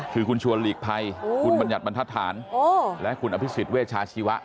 คือคุณชวนหลีกภัยคุณบัญญัติบรรทัศน์และคุณอภิษฎเวชาชีวะ